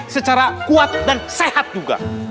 secara kuat dan sehat juga